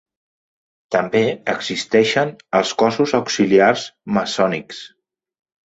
També existeixen els cossos auxiliars maçònics.